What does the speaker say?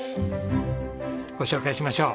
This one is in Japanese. ご紹介しましょう。